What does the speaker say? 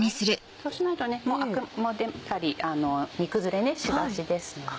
そうしないとあくも出たり煮崩れしがちですので。